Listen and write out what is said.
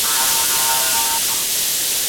ماشوم کولای سي ښه زده کړه وکړي.